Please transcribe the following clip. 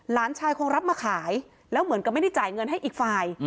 หลานชายคงรับมาขายแล้วเหมือนกับไม่ได้จ่ายเงินให้อีกฝ่าย